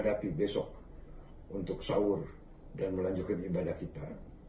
saya ingin meminta saudara saudara untuk berpikir dan melanjutkan ibadah kita